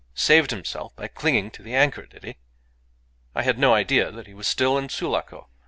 Saved himself by clinging to the anchor, did he? I had no idea that he was still in Sulaco.